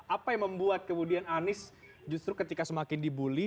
apa yang membuat kemudian anies justru ketika semakin dibully